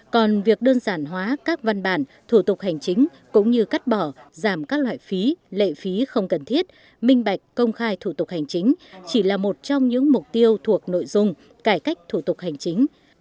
còn việc đơn giản hóa các văn bản thủ tục hành chính cũng như cắt bỏ giảm các loại phí lệ phí không cần thiết minh bạch công khai thủ tục hành chính chỉ là một trong những mục tiêu thuộc nội dung cải cách thủ tục hành chính